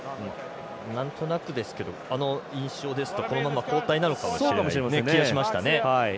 なんとなくですけどあの印象ですとこのまま交代かもしれないですね。